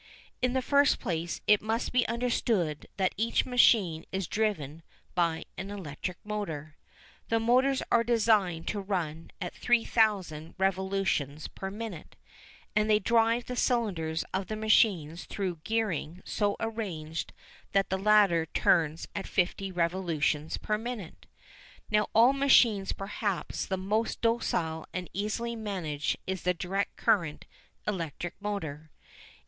In the first place it must be understood that each machine is driven by an electric motor. The motors are designed to run at 3000 revolutions per minute, and they drive the cylinders of the machines through gearing so arranged that the latter turn at 50 revolutions per minute. Now of all machines perhaps the most docile and easily managed is the direct current electric motor.